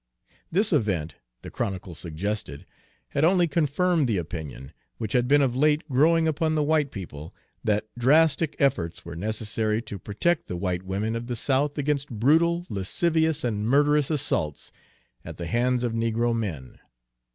This event, the Chronicle suggested, had only confirmed the opinion, which had been of late growing upon the white people, that drastic efforts were necessary to protect the white women of the South against brutal, lascivious, and murderous assaults at the hands of negro men.